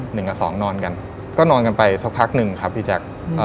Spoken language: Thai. หนึ่งกับสองนอนกันก็นอนกันไปสักพักหนึ่งครับพี่แจ๊ค